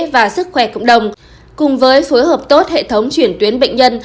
và sức khỏe cộng đồng cùng với phối hợp tốt hệ thống chuyển tuyến bệnh nhân